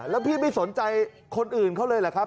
แล้วพี่ไม่สนใจคนอื่นเขาเลยเหรอครับ